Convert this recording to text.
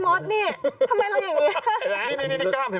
ทำไมเราอย่างนี้